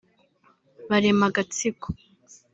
barema Agatsiko